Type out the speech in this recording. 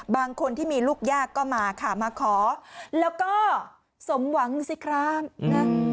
บางคนที่มีลูกยากก็มาค่ะมาขอแล้วก็สมหวังสิครับนะ